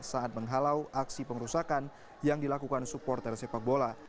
saat menghalau aksi pengerusakan yang dilakukan supporter sepak bola